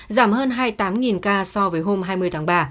giảm hơn hai mươi tám ca so với hôm hai mươi tháng ba